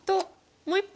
もう１回。